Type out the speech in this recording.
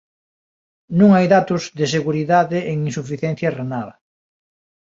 Non hai datos de seguridade en insuficiencia renal.